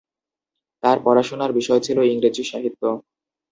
তার পড়াশোনার বিষয় ছিল ইংরেজি সাহিত্য।